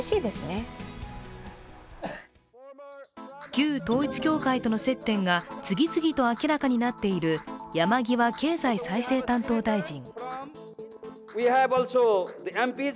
旧統一教会との接点が次々と明らかになっている山際経済再生担当大臣。